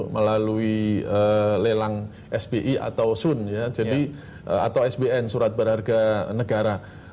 melalui lelang sbi atau sun atau sbn surat berharga negara